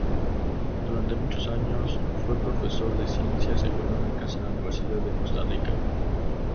Durante muchos años fue profesor de Ciencias Económicas en la Universidad de Costa Rica.